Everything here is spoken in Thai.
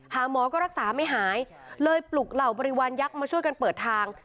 หาหมอก็รักษาไม่หายเลยปลุกเหล่าบริวารยักษ์มาช่วยกันเปิดทาง